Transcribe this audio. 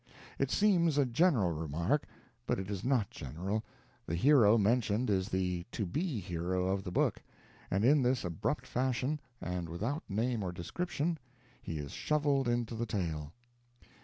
It seems a general remark, but it is not general; the hero mentioned is the to be hero of the book; and in this abrupt fashion, and without name or description, he is shoveled into the tale.